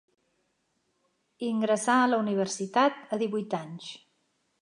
Ingressà a la universitat a divuit anys.